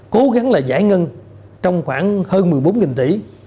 cố gắng là giải ngân trong khoảng hơn một mươi bốn tỷ